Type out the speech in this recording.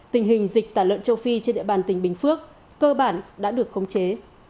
tình hình dịch tả lợn châu phi trên địa bàn tỉnh bình phước cơ bản đã được khống chế